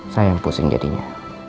saya yang pusing jadinya